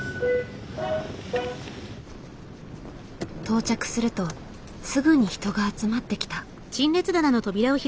到着するとすぐに人が集まってきた。